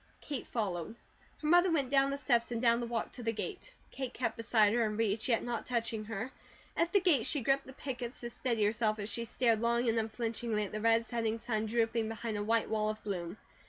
Kate followed. Her mother went down the steps and down the walk to the gate. Kate kept beside her, in reach, yet not touching her. At the gate she gripped the pickets to steady herself as she stared long and unflinchingly at the red setting sun dropping behind a white wall of bloom.